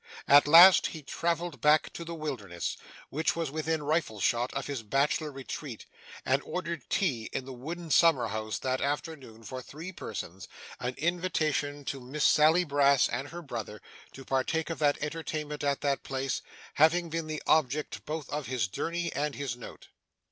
At last, he travelled back to the Wilderness, which was within rifle shot of his bachelor retreat, and ordered tea in the wooden summer house that afternoon for three persons; an invitation to Miss Sally Brass and her brother to partake of that entertainment at that place, having been the object both of his journey and his note.